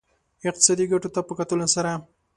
اقتصادي ګټو ته په کتلو سره.